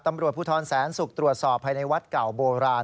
ตำรวจภูทรแสนศุกร์ตรวจสอบภายในวัดเก่าโบราณ